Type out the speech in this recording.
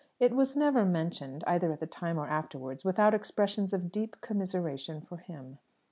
It was never mentioned, either at the time or afterwards, without expressions of deep commiseration for him.